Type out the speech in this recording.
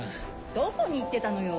どこに行ってたのよ。